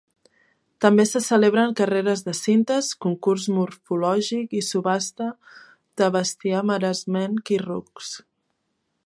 També se celebren carreres de cintes, concurs morfològic i subhasta de bestiar maresmenc i rucs.